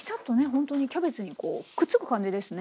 ほんとにキャベツにこうくっつく感じですね。